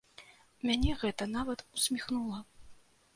Мяне гэта нават усміхнула.